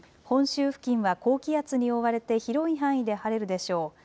本州付近は高気圧に覆われて広い範囲で晴れるでしょう。